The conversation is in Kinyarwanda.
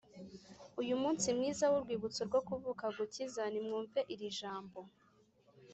Uyu munsi mwiza w’urwibutso rwo kuvuka gukiza, nimwumve irijambo